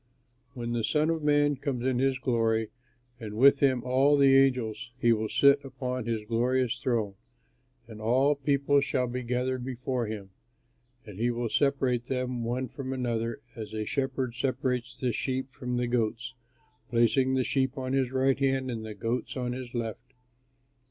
"When the Son of Man comes in his glory and with him all the angels, he will sit upon his glorious throne, and all people shall be gathered before him. And he will separate them one from another as a shepherd separates the sheep from the goats, placing the sheep on his right hand and the goats on his left.